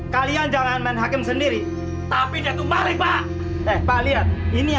kalian jangan main hakim sendiri tapi dia tuh mari pak eh pak lihat ini